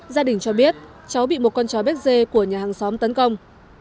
gia đình cho biết cháu bị một con chó bé dê của nhà hàng xóm tấn công